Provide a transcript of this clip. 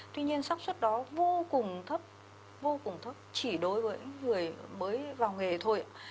tuy nhiên sắc xuất đó vô cùng thấp vô cùng thấp chỉ đối với người mới vào nghề thôi